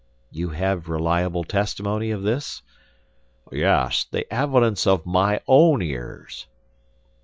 "You have reliable testimony of this?" "Yes, the evidence of my own ears."